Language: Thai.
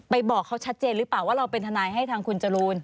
บอกเขาชัดเจนหรือเปล่าว่าเราเป็นทนายให้ทางคุณจรูน